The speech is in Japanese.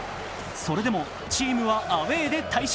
それでもチームはアウェーで大勝。